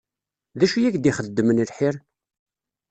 Dacu i ak-d-ixeddmen lḥir?